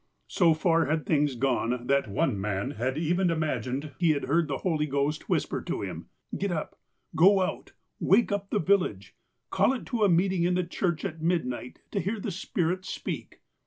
So far had things gone, that one man had even imagined he heard the Holy Ghost whisper to him :" Get up ! Go out ! Wake up the village ! Call it to a meeting in the church at midnight to hear the Spirit speak."